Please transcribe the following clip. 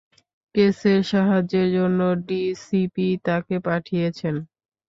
কেসের সাহাযের জন্য ডিসিপি তাকে পাঠিয়েছেন।